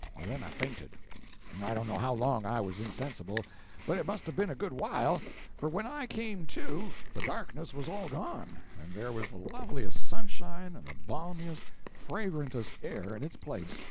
Then I fainted. I don't know how long I was insensible, but it must have been a good while, for, when I came to, the darkness was all gone and there was the loveliest sunshine and the balmiest, fragrantest air in its place.